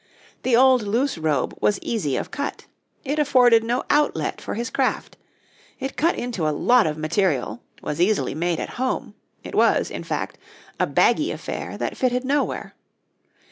The old loose robe was easy of cut; it afforded no outlet for his craft; it cut into a lot of material, was easily made at home it was, in fact, a baggy affair that fitted nowhere.